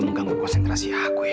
ketemu ganggu konsentrasi aku ya